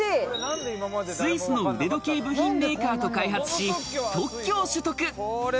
スイスの腕時計部品メーカーと開発し、特許を取得。